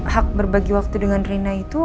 hak berbagi waktu dengan rina itu